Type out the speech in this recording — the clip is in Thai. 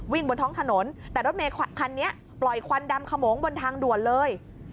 บนท้องถนนแต่รถเมคันนี้ปล่อยควันดำขโมงบนทางด่วนเลย